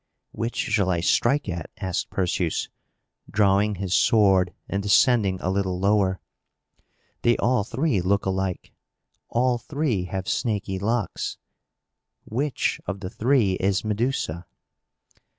"Which shall I strike at?" asked Perseus, drawing his sword and descending a little lower. "They all three look alike. All three have snaky locks. Which of the three is Medusa?"